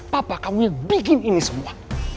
papa kamu bikin ini semua